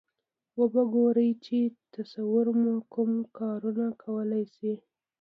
و به ګورئ چې تصور مو کوم کارونه کولای شي.